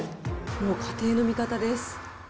もう家庭の味方です。